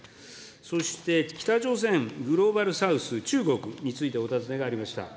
そして、北朝鮮グローバルサウス、中国についてお尋ねがありました。